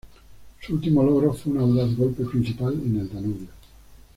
Su último logro fue un audaz golpe principal en el Danubio.